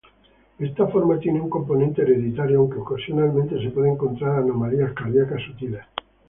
Esta forma tiene un componente hereditario, aunque ocasionalmente se pueden encontrar anomalías cardíacas sutiles.